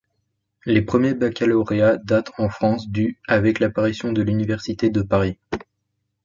Les premiers baccalauréats datent en France du avec l'apparition de l'université de Paris.